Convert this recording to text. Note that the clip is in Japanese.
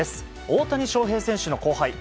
大谷翔平選手の後輩